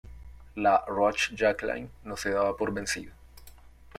La Rochejaquelein no se daba por vencido.